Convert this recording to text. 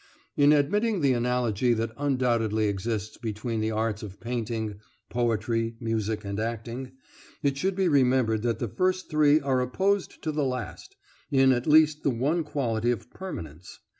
In admitting the analogy that undoubtedly exists between the arts of painting, poetry, music, and acting, it should be remembered that the first three are opposed to the last, in at least the one quality of permanence.